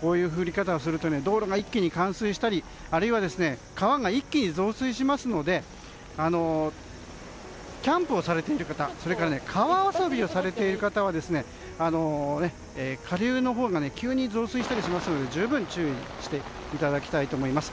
こういう降り方をすると道路が一気に冠水したりあるいは川が一気に増水しますのでキャンプをされている方川遊びをされている方は下流のほうで急に増水したりしますので十分注意していただきたいと思います。